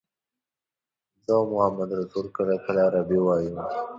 زه او محمدرسول کله کله عربي وایو.